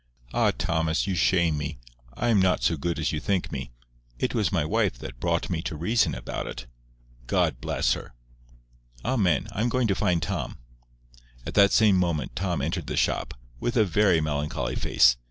"Ah, Thomas, you shame me. I am not so good as you think me. It was my wife that brought me to reason about it." "God bless her." "Amen. I'm going to find Tom." At the same moment Tom entered the shop, with a very melancholy face.